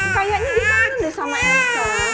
kayaknya di kanan deh sama eska